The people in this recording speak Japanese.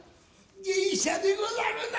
芸者でござるな。